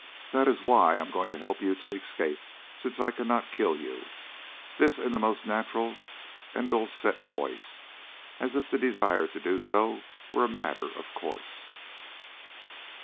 That is why I am going to help you to escape, since I cannot kill you" this in the most natural and dulcet voice, as if the desire to do so were a matter of course.